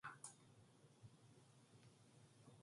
첫째 역시 신철이를 만나기 전에는 돈만 생기면 술만 먹었다.